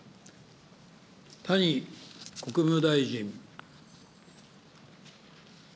谷国務大臣。